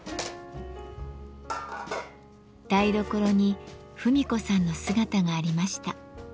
台所に芙美子さんの姿がありました。